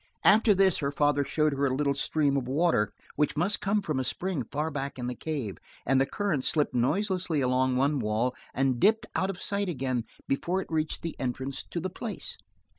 After this her father showed her a little stream of water which must come from a spring far back in the cave, and the current slipped noiselessly along one wall, and dipped of sight again before it reached the entrance to the place.